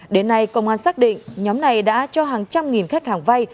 đến nay công an xác định nhóm này đã cho hàng trăm nghìn khách hàng vay